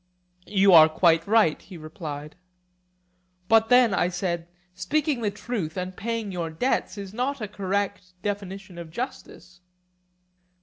You are quite right, he replied. But then, I said, speaking the truth and paying your debts is not a correct definition of justice.